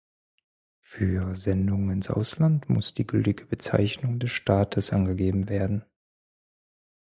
Für Sendungen ins Ausland muss die gültige Bezeichnung des Staates angegeben werden.